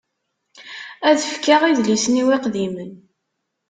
Ad fkeɣ idlisen-iw iqdimen.